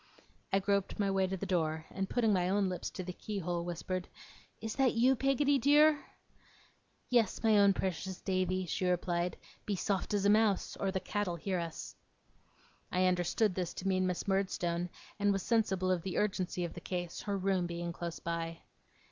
I groped my way to the door, and putting my own lips to the keyhole, whispered: 'Is that you, Peggotty dear?' 'Yes, my own precious Davy,' she replied. 'Be as soft as a mouse, or the Cat'll hear us.' I understood this to mean Miss Murdstone, and was sensible of the urgency of the case; her room being close by.